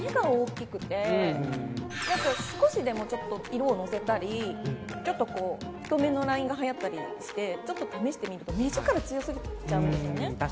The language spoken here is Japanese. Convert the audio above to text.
少しでも色をのせたりちょっと太めのラインがはやったりしてちょっと試してみて目力強すぎちゃうんですよね。